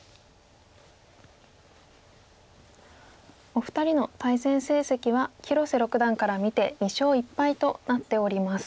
お二人の対戦成績は広瀬六段から見て２勝１敗となっております。